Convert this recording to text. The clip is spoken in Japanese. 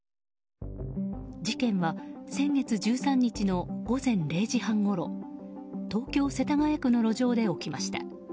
事件は先月１３日の午前０時半ごろ東京・世田谷区の路上で起きました。